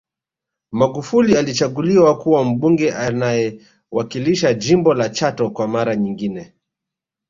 Magufuli alichaguliwa kuwa Mbunge anayewakilisha jimbo la Chato kwa mara nyingine